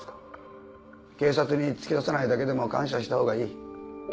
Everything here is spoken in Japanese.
警察に突き出さないだけでも感謝したほうがいい。